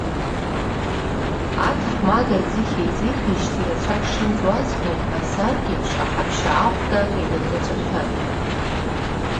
Аҭаҳмада аӡыхь еиҵихижьҭеи рацәак шымҵуазгьы, асаркьа еиԥш, аҳаԥшьа ахәда иныҵаҵәахьан.